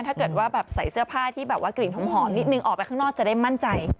ถ้าเกิดว่าแบบใส่เสื้อผ้าที่แบบว่ากลิ่นหอมนิดนึงออกไปข้างนอกจะได้มั่นใจ